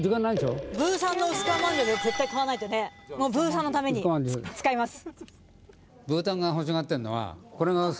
ブーさんのために使います。